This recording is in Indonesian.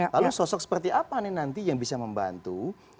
lalu sosok seperti apa nih nanti yang bisa membantu